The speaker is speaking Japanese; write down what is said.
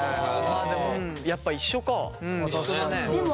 まあでもやっぱ一緒か。